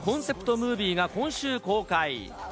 ムービーが今週、公開。